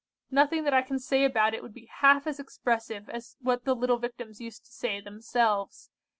Nothing that I can say about it would be half as expressive as what the little Victims used to say themselves.